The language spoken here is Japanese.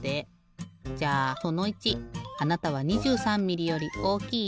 じゃあその１あなたは２３ミリより大きい？